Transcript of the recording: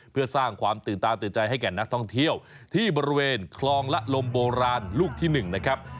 เพื่อสร้างความตื่นตาตื่นใจให้แก่นักท่องเที่ยวที่บริเวณคลองละลมโบราณลูกที่๑นะครับ